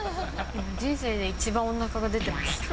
人生で一番おなかが出てます。